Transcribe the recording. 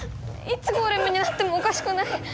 いつゴーレムになってもおかしくない！